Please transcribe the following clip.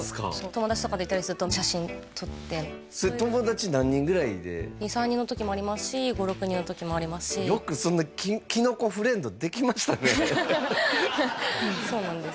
友達とかと行ったりすると写真撮ってそれ友達何人ぐらいで２３人の時もありますし５６人の時もありますしよくそんなそうなんです